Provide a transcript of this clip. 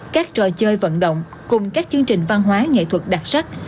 các trò chơi vận động cùng các chương trình văn hóa nghệ thuật đặc sắc